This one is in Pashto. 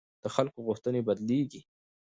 د خلکو غوښتنې بدلېږي